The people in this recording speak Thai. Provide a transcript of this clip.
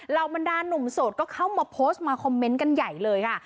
บรรดาหนุ่มโสดก็เข้ามาโพสต์มาคอมเมนต์กันใหญ่เลยค่ะ